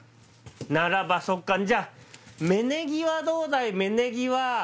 ならばそっかじゃあ芽ネギはどうだい？